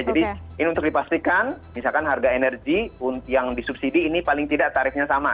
jadi ini untuk dipastikan misalkan harga energi yang disubsidi ini paling tidak tarifnya sama